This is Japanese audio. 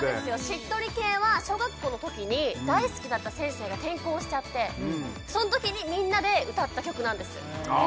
しっとり系は小学校の時に大好きだった先生が転校しちゃってその時にみんなで歌った曲なんですあ